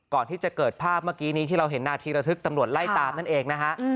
ก่อนที่จะเกิดภาพเมื่อกี้นี้ที่เราเห็นนาทีระทึกตำรวจไล่ตามนั่นเองนะฮะ